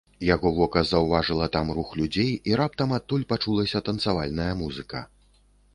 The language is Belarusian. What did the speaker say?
Яго вока заўважыла там рух людзей, і раптам адтуль пачулася танцавальная музыка.